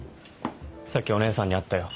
さっきお姉さんに会ったよ。